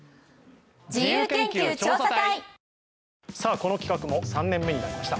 この企画も３年目になりました。